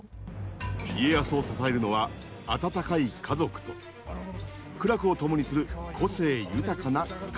家康を支えるのは温かい家族と苦楽を共にする個性豊かな家臣たち。